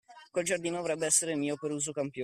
Quel giardino dovrebbe essere mio per usucapione.